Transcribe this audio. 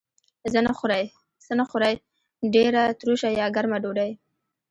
څه نه خورئ؟ ډیره تروشه یا ګرمه ډوډۍ